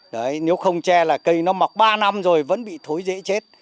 đấy nếu không che là cây nó mọc ba năm rồi vẫn bị thối dễ chết